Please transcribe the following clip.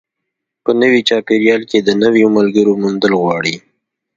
په نوي چاپېریال کې د نویو ملګرو موندل غواړي.